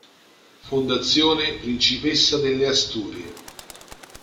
Fondazione Principessa delle Asturie